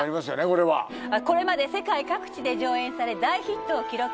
これはこれまで世界各地で上演され大ヒットを記録